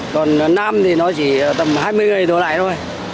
còn nam thì nó chỉ tầm hai mươi người đồ lại thôi